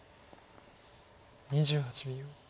２８秒。